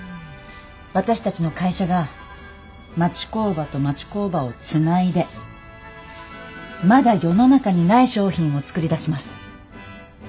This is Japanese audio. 私たちの会社が町工場と町工場をつないでまだ世の中にない商品を作り出します。